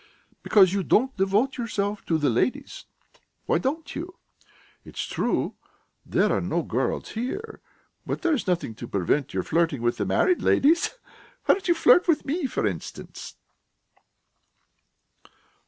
Because you don't devote yourself to the ladies. Why don't you? It's true there are no girls here, but there is nothing to prevent your flirting with the married ladies! Why don't you flirt with me, for instance?"